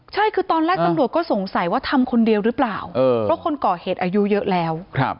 ใช่คือตอนแรกตำรวจก็สงสัยว่าทำคนเดียวหรือเปล่าเพราะคนก่อเหตุอายุเยอะแล้ว